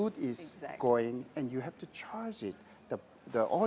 jalanan dan kita harus menyalurkan